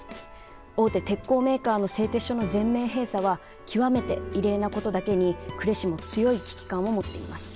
大手鉄鋼メーカーの製鉄所の全面閉鎖は極めて異例なことだけに呉市も強い危機感を持っています。